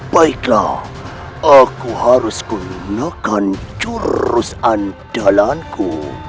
baiklah aku harus gunakan jurus andalanku